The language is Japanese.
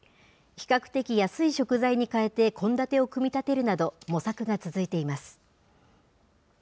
比較的安い食材に代えて、献立を組み立てるなど、模索が続いています。